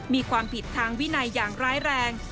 มีความผิดทางวินัยอย่างร้ายแรง